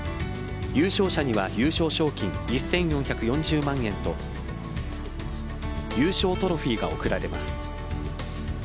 優勝者には優勝賞金１４４０万円と優勝トロフィーが贈られます。